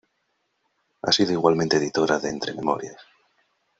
Ha sido igualmente editora de "Entre memorias.